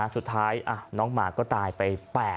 สุดท้ายน้องหมาก็ตายไป๘